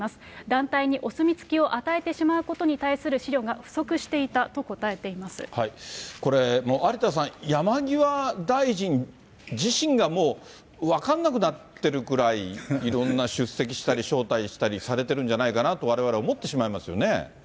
団体にお墨付きを与えてしまうことに対する思慮が不足していたとこれ、有田さん、山際大臣自身がもう、分かんなくなってるくらい、いろんな出席したり、招待したり、されてるんじゃないかなと、われわれ思ってしまいますよね。